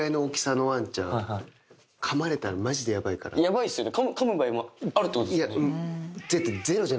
ヤバいっすよね。